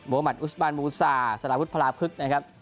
บวมมัติอุสบานบุษาสละพุทธพลาพฮึกนะครับ